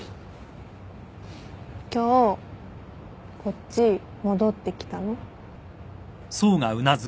今日こっち戻ってきたの？